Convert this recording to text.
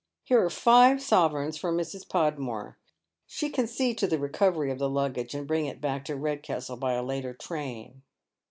Here are five sovereigns for Mrs. Podmore. She can see to the recovery of the luggage, and bring it back to Red castle by a later train.